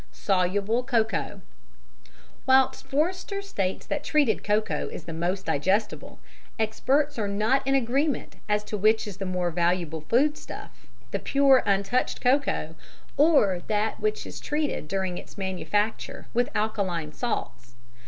"Soluble" Cocoa. Whilst Forster states that treated cocoa is the most digestible, experts are not in agreement as to which is the more valuable foodstuff, the pure untouched cocoa, or that which is treated during its manufacture with alkaline salts.